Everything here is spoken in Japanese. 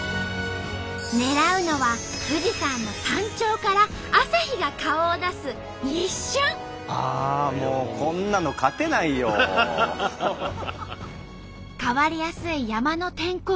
狙うのは富士山の山頂から変わりやすい山の天候。